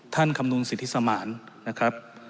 คำนวณสิทธิสมานนะครับ